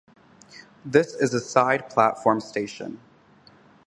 This is a side-platform station.